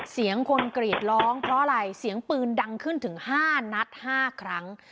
เสียงคนกรีดร้องเพราะอะไรเสียงปืนดังขึ้นถึง๕นัด๕ครั้ง